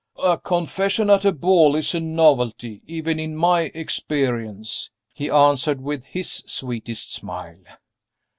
"A confession at a ball is a novelty, even in my experience," he answered with his sweetest smile.